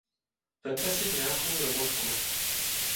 Vemte si nějakou Robotku.